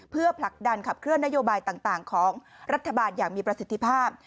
เพื่อผลักดันขับเคลื่อนนโยบายต่างของรัฐบาลอย่างมีประสิทธิภาพ